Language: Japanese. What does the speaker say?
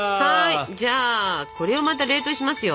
じゃあこれをまた冷凍しますよ。